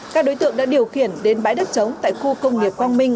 các đối tượng đã điều khiển đến bãi đất trống tại khu công nghiệp quang minh